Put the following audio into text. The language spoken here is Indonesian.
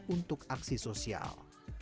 untuk aksi sosial